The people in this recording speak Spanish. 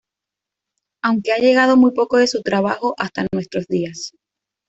Aunque ha llegado muy poco de su trabajo hasta nuestros días.